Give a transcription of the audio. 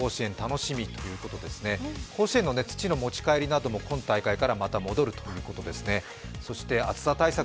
甲子園の土の持ち帰りなども今大会から戻るということです。